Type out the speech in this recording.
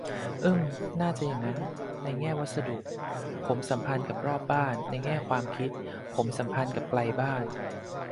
อืม น่าจะอย่างนั้น ในแง่วัสดุผมสัมพันธ์กับรอบบ้าน ในแง่ความคิดผมสัมพันธ์กับไกลบ้าน